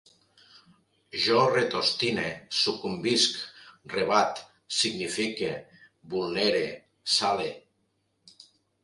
Jo retostine, sucumbisc, rebat, signifique, vulnere, sale